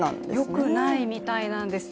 よくないみたいなんですよ。